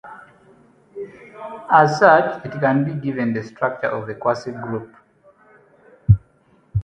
As such, it can be given the structure of a quasigroup.